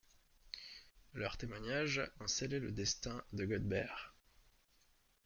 Leurs témoignages ont scellé le destin de Godber.